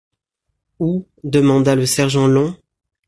Où? demanda le sergent Long.